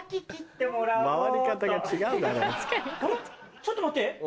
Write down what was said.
ちょっと待って！